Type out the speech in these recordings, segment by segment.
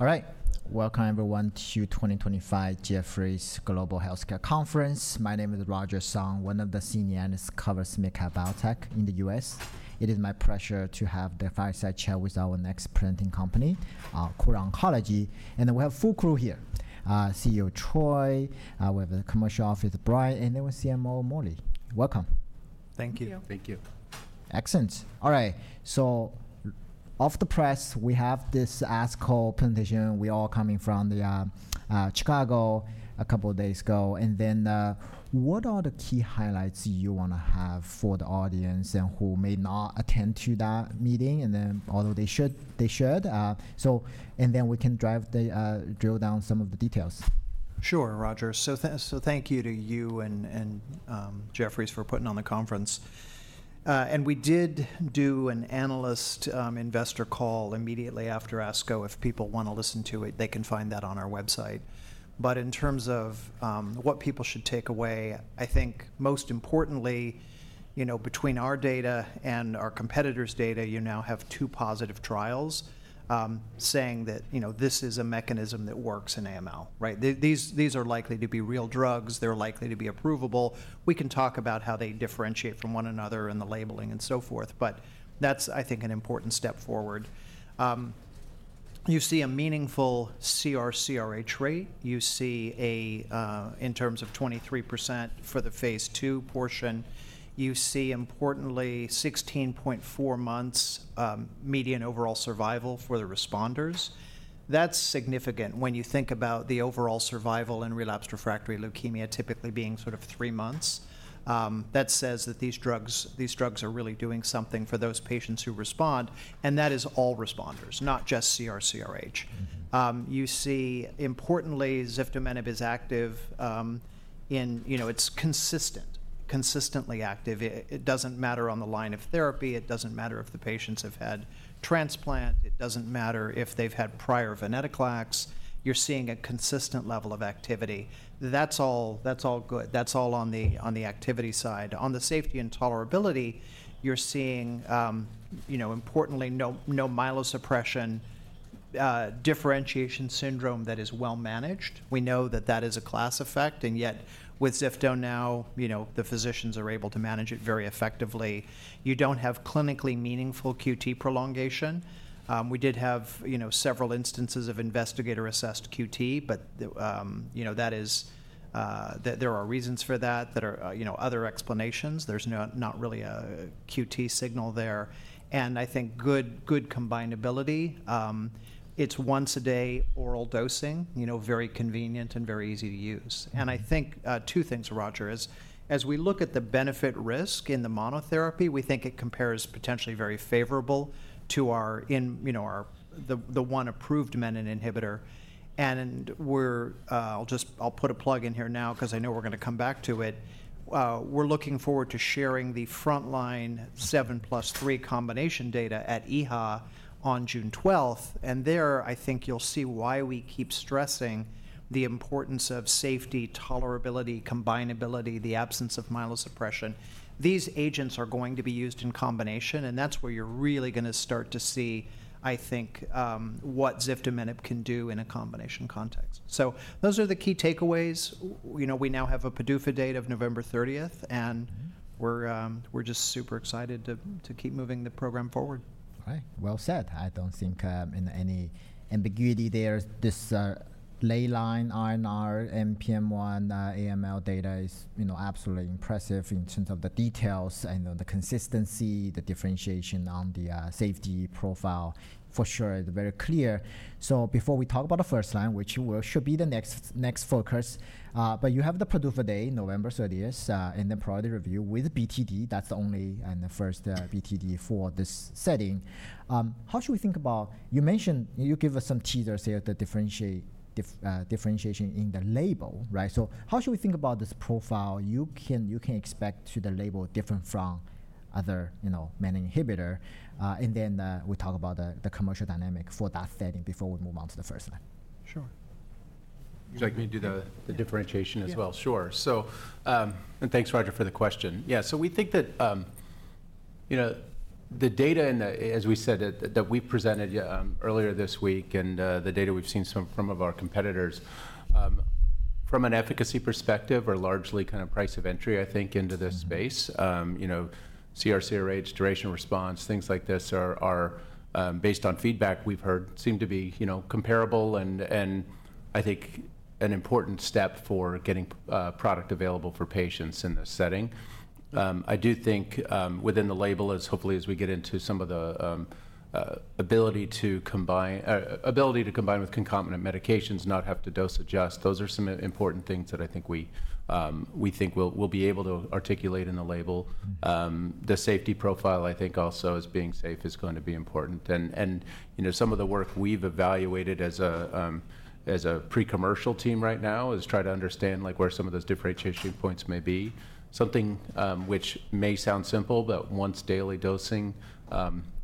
All right, welcome everyone to 2025 Jefferies Global Healthcare conference. My name is Roger Song, one of the senior analysts covering MedCap Biotech in the U.S. It is my pleasure to have the fireside chat with our next presenting company, Kura Oncology. We have full crew here, CEO Troy, we have the commercial officer Brian, and then we have CMO Mollie. Welcome. Thank you. Thank you. Excellent. All right, so off the press, we have this ASCO presentation. We all are coming from Chicago a couple of days ago. What are the key highlights you want to have for the audience who may not attend that meeting, although they should, they should? We can drive the drill down some of the details. Sure, Roger. Thank you to you and Jefferies for putting on the conference. We did do an analyst-investor call immediately after ASCO. If people want to listen to it, they can find that on our website. In terms of what people should take away, I think most importantly, you know, between our data and our competitors' data, you now have two positive trials saying that, you know, this is a mechanism that works in AML. These are likely to be real drugs. They're likely to be approvable. We can talk about how they differentiate from one another and the labeling and so forth, but that's, I think, an important step forward. You see a meaningful CR/CRh rate. You see, in terms of 23% for the phase two portion, you see importantly 16.4 months median overall survival for the responders. That's significant when you think about the overall survival in relapsed refractory leukemia typically being sort of three months. That says that these drugs are really doing something for those patients who respond, and that is all responders, not just CR/CRh. You see importantly ziftomenib is active in, you know, it's consistent, consistently active. It doesn't matter on the line of therapy. It doesn't matter if the patients have had transplant. It doesn't matter if they've had prior venetoclax. You're seeing a consistent level of activity. That's all good. That's all on the activity side. On the safety and tolerability, you're seeing, you know, importantly no myelosuppression differentiation syndrome that is well managed. We know that that is a class effect, and yet with ziftomenib, you know, the physicians are able to manage it very effectively. You don't have clinically meaningful QT prolongation. We did have, you know, several instances of investigator-assessed QT, but, you know, that is, there are reasons for that, there are, you know, other explanations. There's not really a QT signal there. I think good combinability. It's once a day oral dosing, you know, very convenient and very easy to use. I think two things, Roger, is as we look at the benefit-risk in the monotherapy, we think it compares potentially very favorable to our, you know, the one approved menin inhibitor. I'll just, I'll put a plug in here now because I know we're going to come back to it. We're looking forward to sharing the frontline 7+3 combination data at EHA on June 12th. There, I think you'll see why we keep stressing the importance of safety, tolerability, combinability, the absence of myelosuppression. These agents are going to be used in combination, and that's where you're really going to start to see, I think, what ziftomenib can do in a combination context. So those are the key takeaways. You know, we now have a PDUFA date of November 30, and we're just super excited to keep moving the program forward. All right, well said. I don't think in any ambiguity there, this ley line RNR, NPM1, AML data is, you know, absolutely impressive in terms of the details and the consistency, the differentiation on the safety profile. For sure, it's very clear. Before we talk about the first line, which should be the next focus, you have the PDUFA date, November 30, and then priority review with BTD. That's the only and the first BTD for this setting. How should we think about, you mentioned, you gave us some teasers here to differentiate differentiation in the label, right? How should we think about this profile? You can expect the label different from other, you know, menin inhibitor. Then we talk about the commercial dynamic for that setting before we move on to the first line. Sure. Can you do the differentiation as well? Sure. Thanks, Roger, for the question. Yeah, we think that, you know, the data and the, as we said, that we presented earlier this week and the data we've seen from some of our competitors, from an efficacy perspective, are largely kind of price of entry, I think, into this space. You know, CR/CRh, duration response, things like this are based on feedback we've heard seem to be, you know, comparable and I think an important step for getting product available for patients in this setting. I do think within the label is hopefully as we get into some of the ability to combine with concomitant medications, not have to dose adjust. Those are some important things that I think we think we'll be able to articulate in the label. The safety profile, I think also as being safe is going to be important. You know, some of the work we've evaluated as a pre-commercial team right now is try to understand like where some of those differentiation points may be. Something which may sound simple, but once daily dosing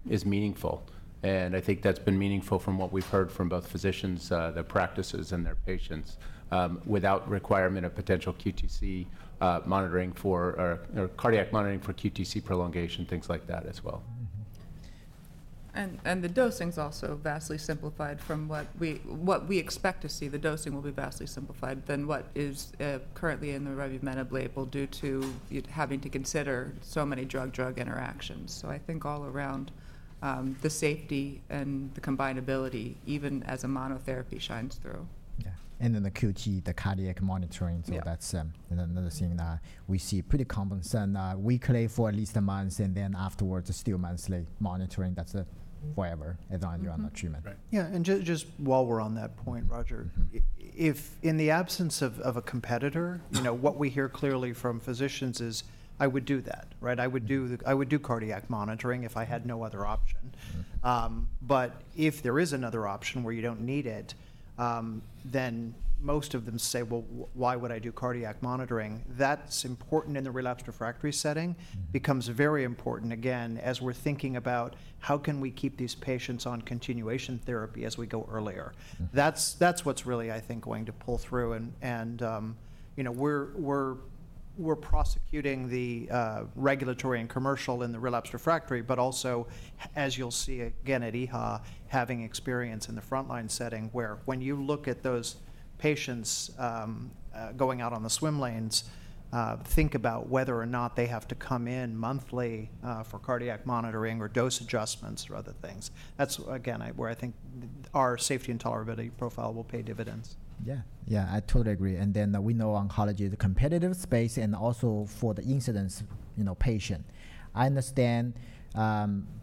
is meaningful. I think that's been meaningful from what we've heard from both physicians, their practices, and their patients without requirement of potential QTC monitoring for cardiac monitoring for QTC prolongation, things like that as well. The dosing is also vastly simplified from what we expect to see. The dosing will be vastly simplified than what is currently in the Revumenib label due to having to consider so many drug-drug interactions. I think all around the safety and the combinability, even as a monotherapy, shines through. Yeah, and then the QT, the cardiac monitoring. That is another thing that we see pretty common. And weekly for at least a month, and then afterwards a few months monitoring. That is a forever advantage on the treatment. Right. Yeah, and just while we're on that point, Roger, if in the absence of a competitor, you know, what we hear clearly from physicians is, I would do that, right? I would do cardiac monitoring if I had no other option. But if there is another option where you don't need it, then most of them say, well, why would I do cardiac monitoring? That's important in the relapsed refractory setting. Becomes very important again as we're thinking about how can we keep these patients on continuation therapy as we go earlier. That's what's really, I think, going to pull through. You know, we're prosecuting the regulatory and commercial in the relapsed refractory, but also, as you'll see again at EHA, having experience in the frontline setting where when you look at those patients going out on the swim lanes, think about whether or not they have to come in monthly for cardiac monitoring or dose adjustments or other things. That is again where I think our safety and tolerability profile will pay dividends. Yeah, yeah, I totally agree. We know oncology is a competitive space and also for the incidence, you know, patient. I understand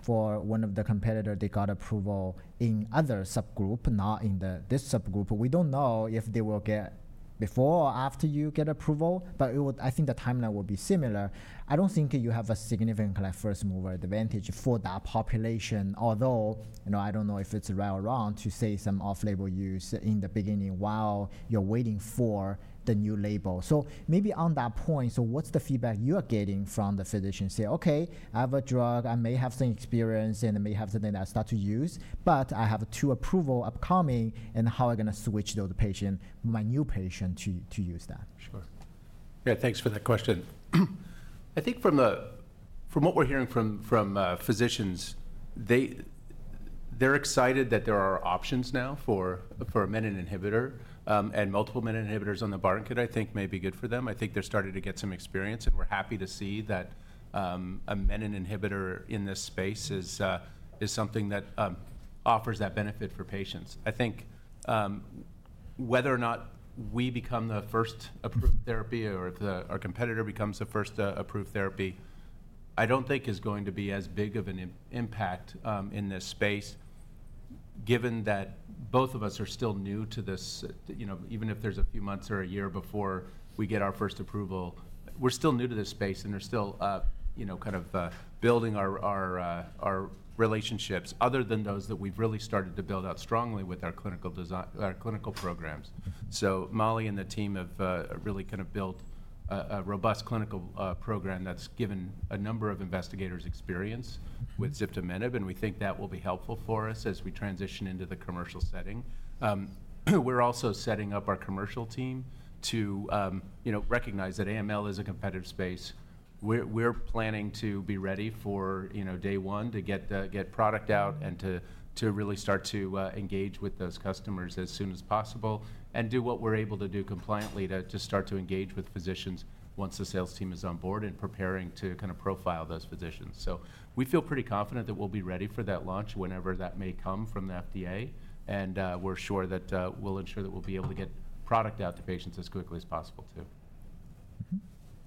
for one of the competitors, they got approval in another subgroup, not in this subgroup. We do not know if they will get before or after you get approval, but I think the timeline will be similar. I do not think you have a significant first mover advantage for that population, although, you know, I do not know if it is right or wrong to say some off-label use in the beginning while you are waiting for the new label. Maybe on that point, what is the feedback you are getting from the physicians? Say, okay, I have a drug, I may have some experience and I may have something that I start to use, but I have two approvals upcoming and how are I going to switch those patients, my new patient to use that? Sure. Yeah, thanks for that question. I think from what we're hearing from physicians, they're excited that there are options now for a menin inhibitor and multiple menin inhibitors on the barricade, I think may be good for them. I think they're starting to get some experience and we're happy to see that a menin inhibitor in this space is something that offers that benefit for patients. I think whether or not we become the first approved therapy or our competitor becomes the first approved therapy, I do not think is going to be as big of an impact in this space given that both of us are still new to this, you know, even if there is a few months or a year before we get our first approval, we are still new to this space and there is still, you know, kind of building our relationships other than those that we have really started to build out strongly with our clinical programs. Molly and the team have really kind of built a robust clinical program that has given a number of investigators experience with ziftomenib, and we think that will be helpful for us as we transition into the commercial setting. We are also setting up our commercial team to, you know, recognize that AML is a competitive space. We're planning to be ready for, you know, day one to get product out and to really start to engage with those customers as soon as possible and do what we're able to do compliantly to start to engage with physicians once the sales team is on board and preparing to kind of profile those physicians. We feel pretty confident that we'll be ready for that launch whenever that may come from the FDA. We're sure that we'll ensure that we'll be able to get product out to patients as quickly as possible too.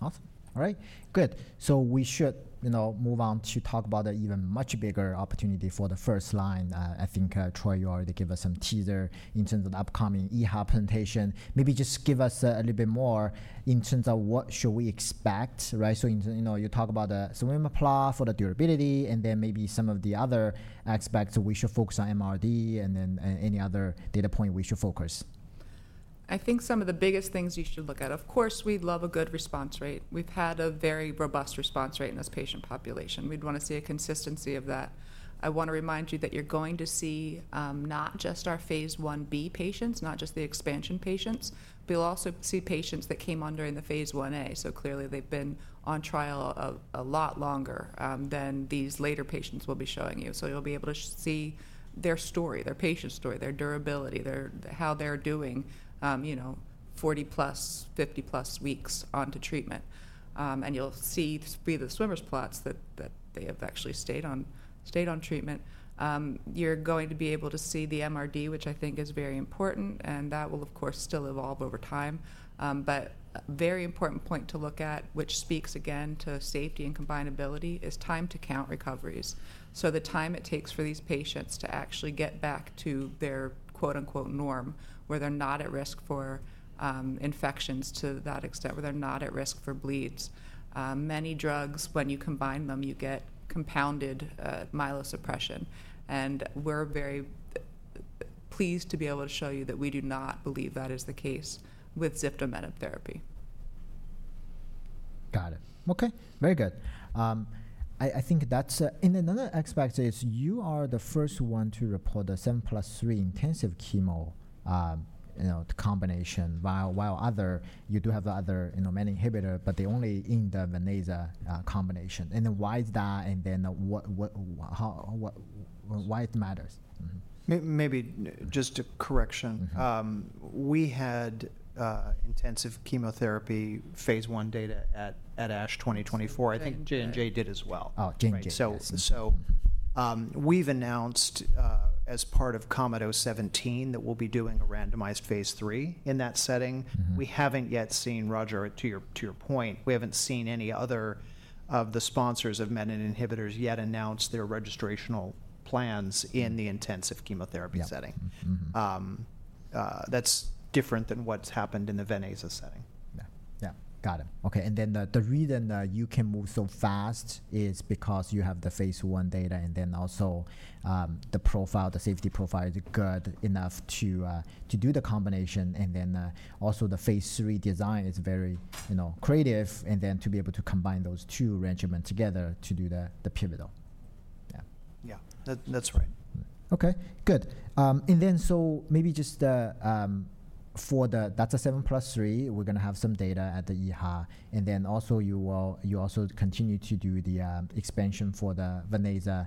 Awesome. All right, good. We should, you know, move on to talk about an even much bigger opportunity for the first line. I think Troy, you already gave us some teaser in terms of the upcoming EHA presentation. Maybe just give us a little bit more in terms of what should we expect, right? You know, you talk about the swim apply for the durability and then maybe some of the other aspects we should focus on MRD and then any other data point we should focus. I think some of the biggest things you should look at, of course, we'd love a good response rate. We've had a very robust response rate in this patient population. We'd want to see a consistency of that. I want to remind you that you're going to see not just our phase 1B patients, not just the expansion patients, but you'll also see patients that came on during the phase 1A. Clearly they've been on trial a lot longer than these later patients we'll be showing you. You'll be able to see their story, their patient story, their durability, how they're doing, you know, 40+, 50 plus weeks onto treatment. You'll see through the swimmers' plots that they have actually stayed on treatment. You're going to be able to see the MRD, which I think is very important, and that will of course still evolve over time. A very important point to look at, which speaks again to safety and combinability, is time to count recoveries. The time it takes for these patients to actually get back to their quote unquote norm where they're not at risk for infections to that extent, where they're not at risk for bleeds. Many drugs, when you combine them, you get compounded myelosuppression. We're very pleased to be able to show you that we do not believe that is the case with ziftomenib therapy. Got it. Okay, very good. I think that's it. Another aspect is you are the first one to report the 7+3 intensive chemo, you know, the combination, while other, you do have the other, you know, menin inhibitor, but they are only in the Veneza combination. Why is that? Why does it matter? Maybe just a correction. We had intensive chemotherapy phase I data at ASH 2024. I think J&J did as well. Oh, J&J. We have announced as part of Comet O17 that we will be doing a randomized phase three in that setting. We have not yet seen, Roger, to your point, we have not seen any other of the sponsors of menin inhibitors yet announce their registrational plans in the intensive chemotherapy setting. That is different than what has happened in the Veneza setting. Yeah, yeah, got it. Okay, the reason that you can move so fast is because you have the phase one data and then also the profile, the safety profile is good enough to do the combination. You know, the phase three design is very, you know, creative and then to be able to combine those two regimens together to do the pivotal. Yeah. Yeah, that's right. Okay, good. Maybe just for the, that's a 7+3, we're going to have some data at the EHA. You also continue to do the expansion for the Veneza.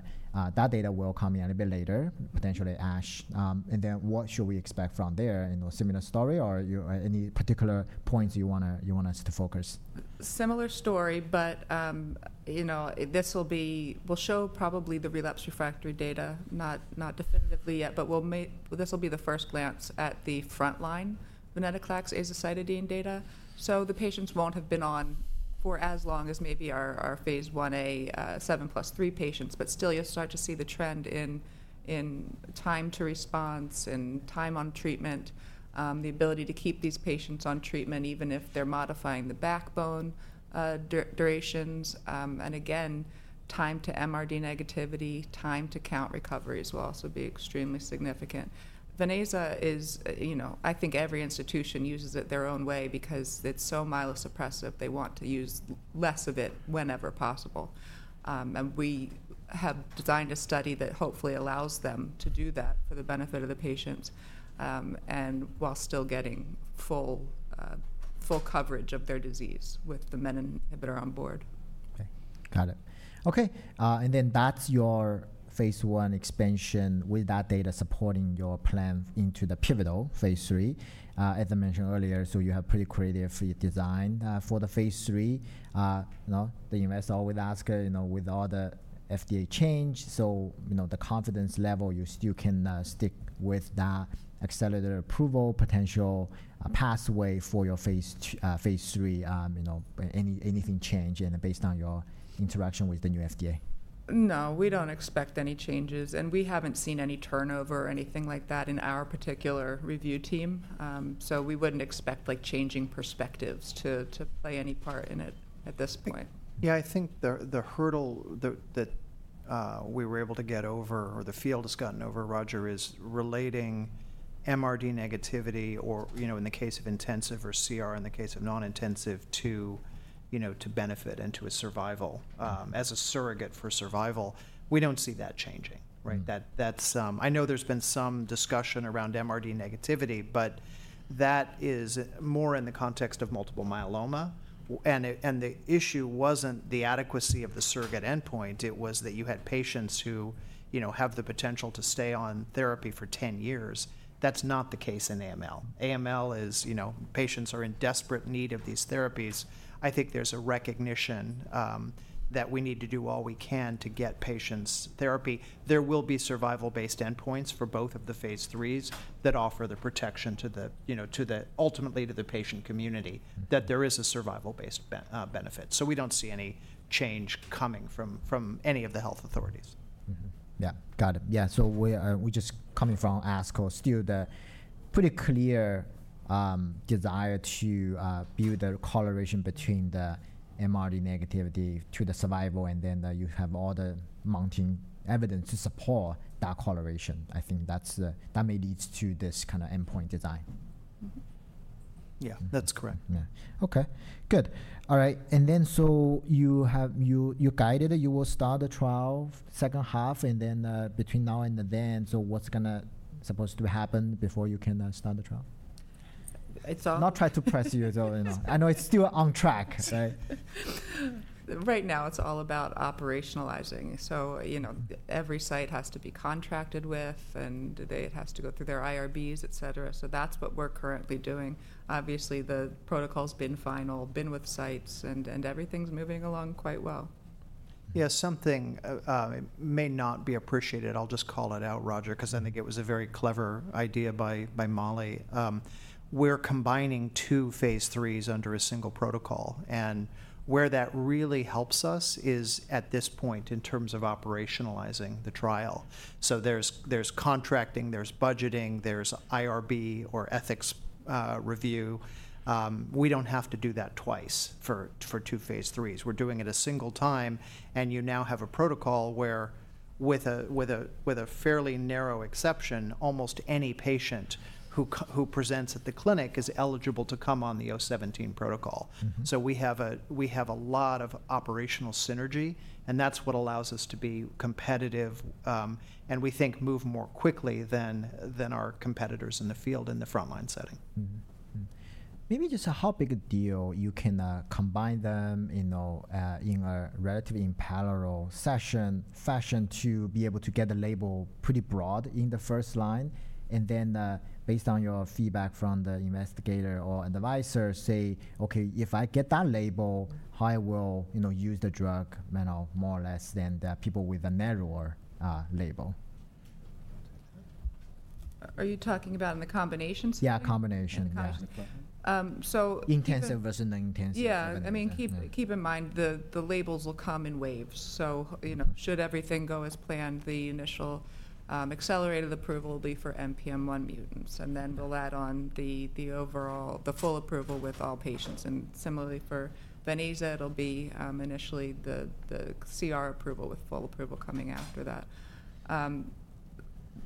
That data will come in a bit later, potentially ASH. What should we expect from there? You know, similar story or any particular points you want us to focus? Similar story, but you know, this will be, we'll show probably the relapsed refractory data, not definitively yet, but we'll make, this will be the first glance at the frontline venetoclax azacitidine data. The patients won't have been on for as long as maybe our phase 1A 7+3 patients, but still you start to see the trend in time to response and time on treatment, the ability to keep these patients on treatment even if they're modifying the backbone durations. Again, time to MRD negativity, time to count recoveries will also be extremely significant. Veneza is, you know, I think every institution uses it their own way because it's so myelosuppressive, they want to use less of it whenever possible. We have designed a study that hopefully allows them to do that for the benefit of the patients and while still getting full coverage of their disease with the menin inhibitor on board. Okay, got it. Okay, and then that's your phase one expansion with that data supporting your plan into the pivotal phase three. As I mentioned earlier, you have pretty creative design for the phase three. You know, the U.S. always asks, you know, with all the FDA change, so you know, the confidence level you still can stick with that accelerator approval potential pathway for your phase three, you know, anything change and based on your interaction with the new FDA? No, we don't expect any changes and we haven't seen any turnover or anything like that in our particular review team. We wouldn't expect like changing perspectives to play any part in it at this point. Yeah, I think the hurdle that we were able to get over or the field has gotten over, Roger, is relating MRD negativity or, you know, in the case of intensive or CR, in the case of non-intensive to, you know, to benefit and to a survival as a surrogate for survival. We do not see that changing, right? I know there has been some discussion around MRD negativity, but that is more in the context of multiple myeloma. The issue was not the adequacy of the surrogate endpoint. It was that you had patients who, you know, have the potential to stay on therapy for 10 years. That is not the case in AML. AML is, you know, patients are in desperate need of these therapies. I think there is a recognition that we need to do all we can to get patients therapy. There will be survival-based endpoints for both of the phase threes that offer the protection to the, you know, to the ultimately to the patient community that there is a survival-based benefit. We do not see any change coming from any of the health authorities. Yeah, got it. Yeah, we're just coming from ASCO, still the pretty clear desire to build the correlation between the MRD negativity to the survival, and then you have all the mounting evidence to support that correlation. I think that may lead to this kind of endpoint design. Yeah, that's correct. Yeah, okay, good. All right, and then you guided it, you will start the trial second half and then between now and then, what's going to supposed to happen before you can start the trial? It's all. Not try to press you, you know, I know it's still on track. Right now it's all about operationalizing. You know, every site has to be contracted with and it has to go through their IRBs, et cetera. That's what we're currently doing. Obviously, the protocol's been final, been with sites and everything's moving along quite well. Yeah, something may not be appreciated, I'll just call it out, Roger, because I think it was a very clever idea by Mollie. We're combining two phase threes under a single protocol. Where that really helps us is at this point in terms of operationalizing the trial. There's contracting, there's budgeting, there's IRB or ethics review. We don't have to do that twice for two phase threes. We're doing it a single time and you now have a protocol where, with a fairly narrow exception, almost any patient who presents at the clinic is eligible to come on the O17 protocol. We have a lot of operational synergy and that's what allows us to be competitive and we think move more quickly than our competitors in the field in the front line setting. Maybe just how big a deal you can combine them, you know, in a relatively in parallel session to be able to get a label pretty broad in the first line. And then based on your feedback from the investigator or advisor, say, okay, if I get that label, how I will, you know, use the drug, you know, more or less than people with a narrower label. Are you talking about in the combination? Yeah, combination. Intensive versus non-intensive. Yeah, I mean, keep in mind the labels will come in waves. So, you know, should everything go as planned, the initial accelerated approval will be for NPM1 mutants. And then we'll add on the overall, the full approval with all patients. And similarly for Veneza, it'll be initially the CR approval with full approval coming after that.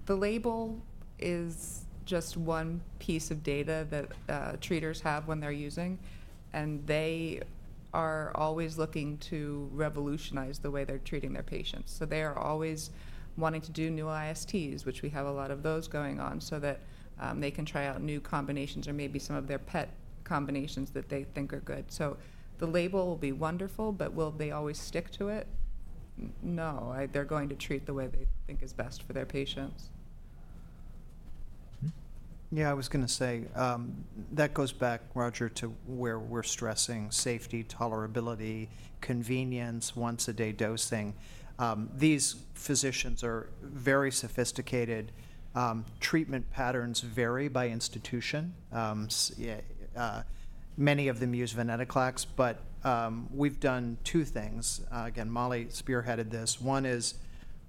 The label is just one piece of data that treaters have when they're using. And they are always looking to revolutionize the way they're treating their patients. So they are always wanting to do new ISTs, which we have a lot of those going on so that they can try out new combinations or maybe some of their pet combinations that they think are good. So the label will be wonderful, but will they always stick to it? No, they're going to treat the way they think is best for their patients. Yeah, I was going to say that goes back, Roger, to where we're stressing safety, tolerability, convenience, once-a-day dosing. These physicians are very sophisticated. Treatment patterns vary by institution. Many of them use venetoclax, but we've done two things. Again, Mollie spearheaded this. One is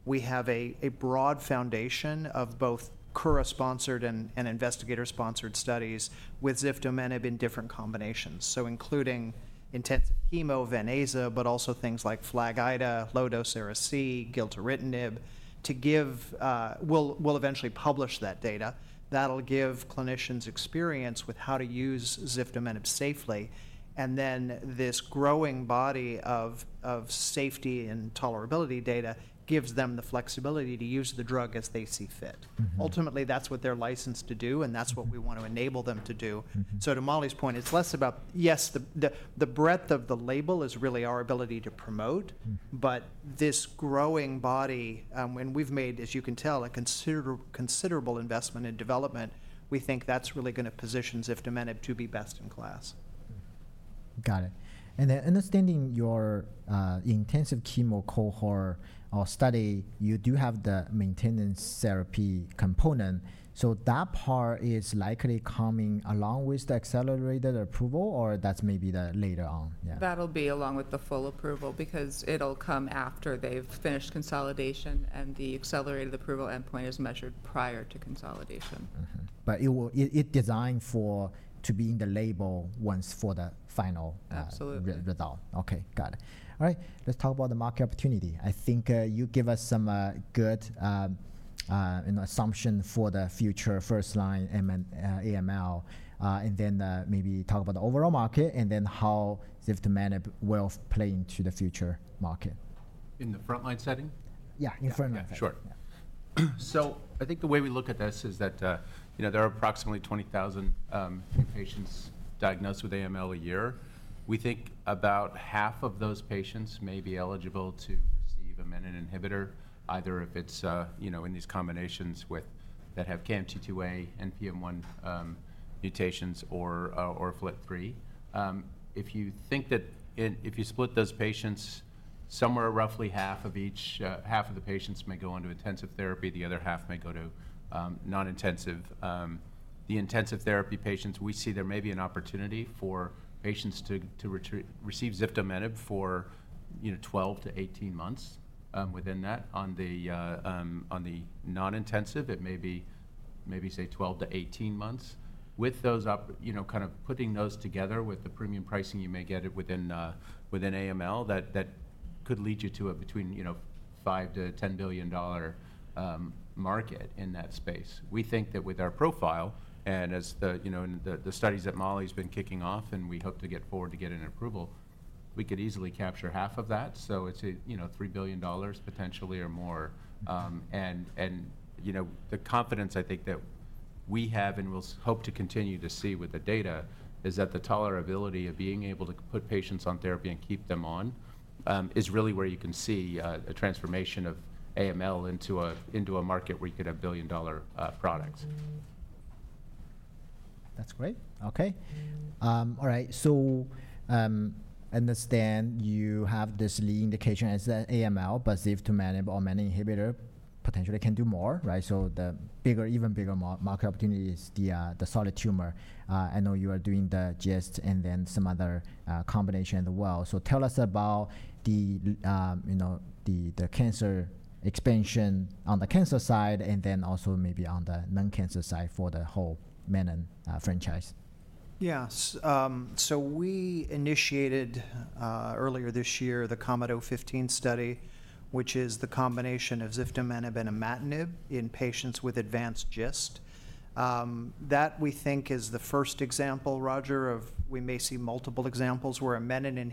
we have a broad foundation of both Kura-sponsored and investigator-sponsored studies with ziftomenib in different combinations. Including intensive chemo, Veneza, but also things like FLAG-IDA, low-dose azacitidine, gilteritinib to give, we'll eventually publish that data. That'll give clinicians experience with how to use ziftomenib safely. This growing body of safety and tolerability data gives them the flexibility to use the drug as they see fit. Ultimately, that's what they're licensed to do and that's what we want to enable them to do. To Mollie's point, it's less about, yes, the breadth of the label is really our ability to promote, but this growing body, and we've made, as you can tell, a considerable investment in development. We think that's really going to position ziftomenib to be best in class. Got it. Understanding your intensive chemo cohort or study, you do have the maintenance therapy component. That part is likely coming along with the accelerated approval or that's maybe later on? That'll be along with the full approval because it'll come after they've finished consolidation and the accelerated approval endpoint is measured prior to consolidation. It will, it is designed to be in the label once for the final result. Absolutely. Okay, got it. All right, let's talk about the market opportunity. I think you give us some good assumption for the future first line AML and then maybe talk about the overall market and then how ziftomenib will play into the future market. In the front line setting? Yeah, in the front line setting. Sure. I think the way we look at this is that, you know, there are approximately 20,000 patients diagnosed with AML a year. We think about half of those patients may be eligible to receive a menin inhibitor, either if it's, you know, in these combinations that have KMT2A, NPM1 mutations or FLT3. If you think that, if you split those patients, somewhere roughly half of each, half of the patients may go on to intensive therapy, the other half may go to non-intensive. The intensive therapy patients, we see there may be an opportunity for patients to receive ziftomenib for, you know, 12-18 months within that. On the non-intensive, it may be, maybe say 12-18 months. With those, you know, kind of putting those together with the premium pricing, you may get it within AML that could lead you to a between, you know, $5 billion-$10 billion market in that space. We think that with our profile and as the, you know, in the studies that Mollie's been kicking off and we hope to get forward to get an approval, we could easily capture half of that. It is a, you know, $3 billion potentially or more. You know, the confidence I think that we have and we'll hope to continue to see with the data is that the tolerability of being able to put patients on therapy and keep them on is really where you can see a transformation of AML into a market where you could have billion-dollar products. That's great. Okay. All right, so I understand you have this lead indication as the AML, but ziftomenib or menin inhibitor potentially can do more, right? The bigger, even bigger market opportunity is the solid tumor. I know you are doing the GIST and then some other combination as well. Tell us about the, you know, the cancer expansion on the cancer side and then also maybe on the non-cancer side for the whole menin franchise. Yeah, so we initiated earlier this year the COMEDO-15 study, which is the combination of ziftomenib and imatinib in patients with advanced GIST. That we think is the first example, Roger, of we may see multiple examples where a menin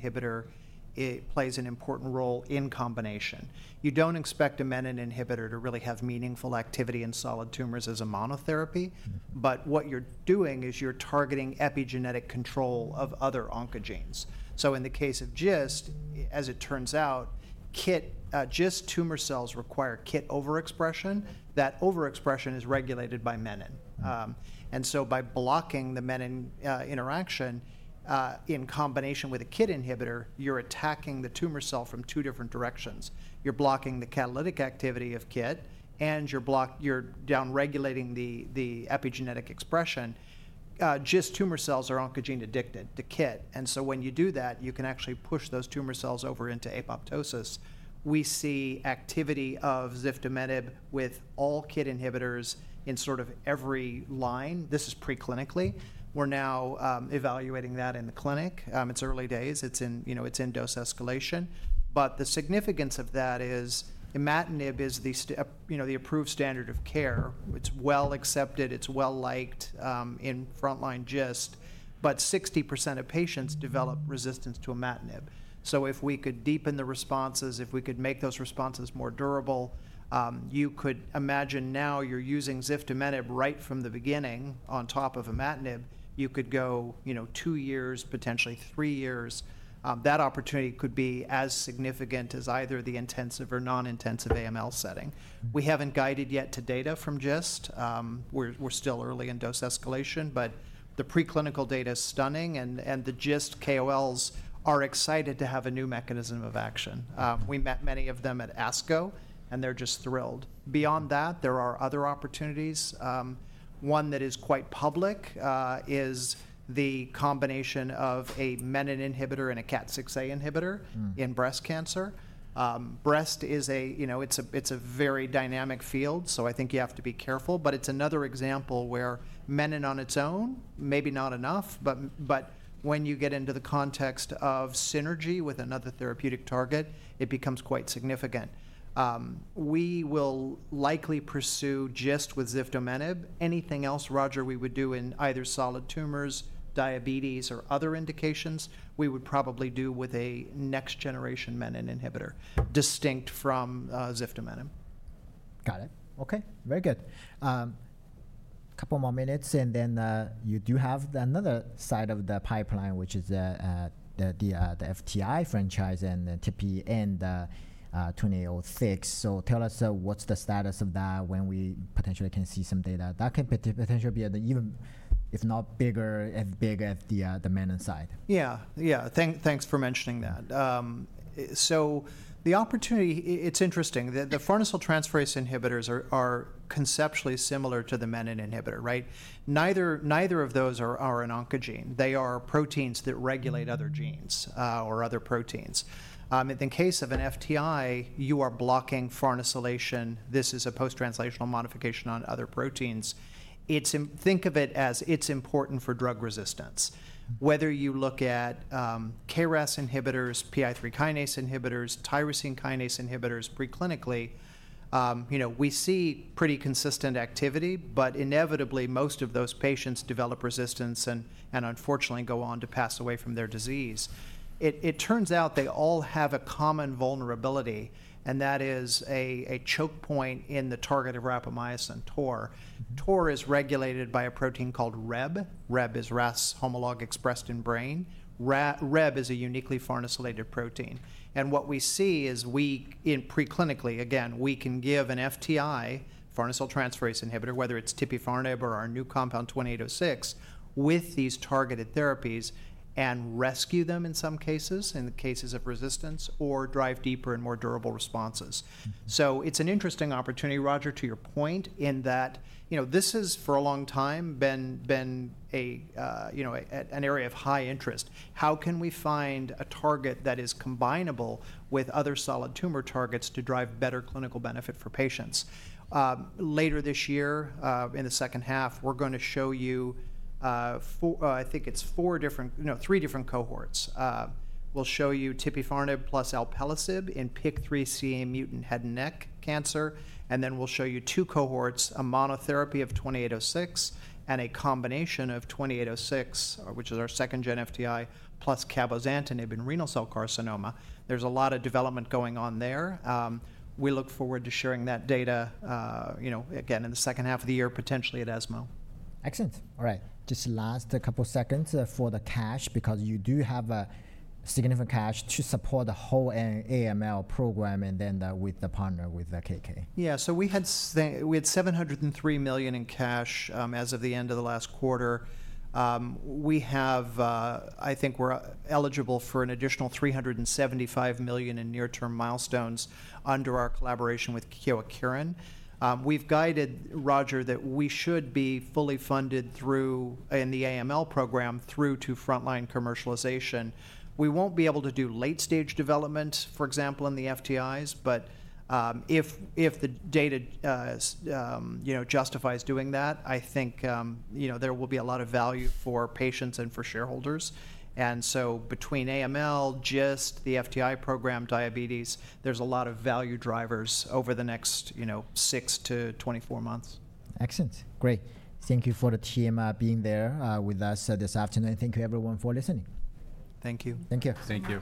inhibitor plays an important role in combination. You don't expect a menin inhibitor to really have meaningful activity in solid tumors as a monotherapy, but what you're doing is you're targeting epigenetic control of other oncogenes. In the case of GIST, as it turns out, GIST tumor cells require KIT overexpression. That overexpression is regulated by menin. By blocking the menin interaction in combination with a KIT inhibitor, you're attacking the tumor cell from two different directions. You're blocking the catalytic activity of KIT and you're downregulating the epigenetic expression. GIST tumor cells are oncogene addicted to KIT. When you do that, you can actually push those tumor cells over into apoptosis. We see activity of ziftomenib with all KIT inhibitors in sort of every line. This is preclinically. We're now evaluating that in the clinic. It's early days. It's in, you know, it's in dose escalation. The significance of that is imatinib is the, you know, the approved standard of care. It's well accepted. It's well liked in front line GIST, but 60% of patients develop resistance to imatinib. If we could deepen the responses, if we could make those responses more durable, you could imagine now you're using ziftomenib right from the beginning on top of imatinib. You could go, you know, two years, potentially three years. That opportunity could be as significant as either the intensive or non-intensive AML setting. We haven't guided yet to data from GIST. We're still early in dose escalation, but the preclinical data is stunning and the GIST KOLs are excited to have a new mechanism of action. We met many of them at ASCO and they're just thrilled. Beyond that, there are other opportunities. One that is quite public is the combination of a menin inhibitor and a CAT6A inhibitor in breast cancer. Breast is a, you know, it's a very dynamic field. I think you have to be careful, but it's another example where menin on its own, maybe not enough, but when you get into the context of synergy with another therapeutic target, it becomes quite significant. We will likely pursue GIST with ziftomenib. Anything else, Roger, we would do in either solid tumors, diabetes, or other indications, we would probably do with a next-generation menin inhibitor distinct from ziftomenib. Got it. Okay, very good. Couple more minutes and then you do have another side of the pipeline, which is the FTI franchise and KO-2806. Tell us what's the status of that, when we potentially can see some data that can potentially be even, if not bigger and bigger at the menin side. Yeah, yeah, thanks for mentioning that. The opportunity, it's interesting that the FTI inhibitors are conceptually similar to the menin inhibitor, right? Neither of those are an oncogene. They are proteins that regulate other genes or other proteins. In the case of an FTI, you are blocking farnesyltransferase. This is a post-translational modification on other proteins. Think of it as it's important for drug resistance. Whether you look at KRAS inhibitors, PI3 kinase inhibitors, tyrosine kinase inhibitors preclinically, you know, we see pretty consistent activity, but inevitably most of those patients develop resistance and unfortunately go on to pass away from their disease. It turns out they all have a common vulnerability and that is a choke point in the target of rapamycin, mTOR. mTOR is regulated by a protein called Rheb. Rheb is RAS homolog enriched in brain. Rheb is a uniquely farnesylated protein. What we see is we, in preclinically, again, we can give an FTI, FNT inhibitor, whether it's Tipifarnib or our new compound 2806, with these targeted therapies and rescue them in some cases, in the cases of resistance or drive deeper and more durable responses. It is an interesting opportunity, Roger, to your point in that, you know, this has for a long time been a, you know, an area of high interest. How can we find a target that is combinable with other solid tumor targets to drive better clinical benefit for patients? Later this year in the second half, we're going to show you, I think it's four different, no, three different cohorts. We'll show you Tipifarnib plus Alpelisib in PIK3CA mutant head and neck cancer. We'll show you two cohorts, a monotherapy of KO-2806 and a combination of KO-2806, which is our second-gen FTI plus cabozantinib in renal cell carcinoma. There's a lot of development going on there. We look forward to sharing that data, you know, again, in the second half of the year, potentially at ESMO. Excellent. All right, just last couple seconds for the cash because you do have a significant cash to support the whole AML program and then with the partner with KK. Yeah, so we had $703 million in cash as of the end of the last quarter. We have, I think we're eligible for an additional $375 million in near-term milestones under our collaboration with Kyowa Kirin. We've guided, Roger, that we should be fully funded through in the AML program through to front line commercialization. We won't be able to do late-stage development, for example, in the FTIs, but if the data, you know, justifies doing that, I think, you know, there will be a lot of value for patients and for shareholders. Between AML, GIST, the FTI program, diabetes, there's a lot of value drivers over the next, you know, six to 24 months. Excellent. Great. Thank you for the team being there with us this afternoon. Thank you everyone for listening. Thank you. Thank you.